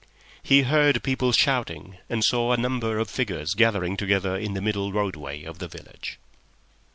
He heard people shouting, and saw a number of figures gathering together in the middle roadway of the village.